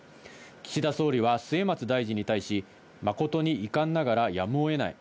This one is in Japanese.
岸田総理は末松大臣に対し、誠に遺憾ながら、やむを得ない。